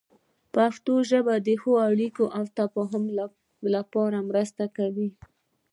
پښتو ژبه د ښې اړیکې او تفاهم لپاره مرسته کوي.